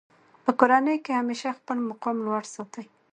په کورنۍ کښي همېشه خپل مقام لوړ ساتئ!